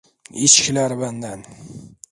İçkiler benden.